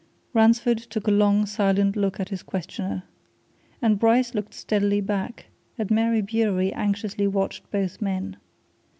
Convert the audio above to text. Ransford took a long, silent look at his questioner. And Bryce looked steadily back and Mary Bewery anxiously watched both men.